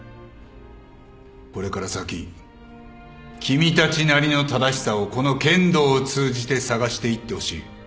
これから先君たちなりの正しさをこの剣道を通じて探していってほしい。